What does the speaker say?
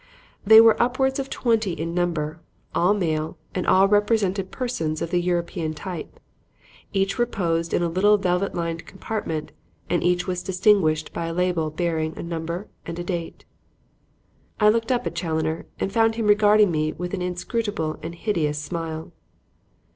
They were upwards of twenty in number, all male and all represented persons of the European type. Each reposed in a little velvet lined compartment and each was distinguished by a label bearing a number and a date. I looked up at Challoner and found him regarding me with an inscrutable and hideous smile.